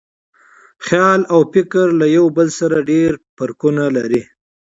خیال او فکر یو له بل سره ډېر فرقونه لري.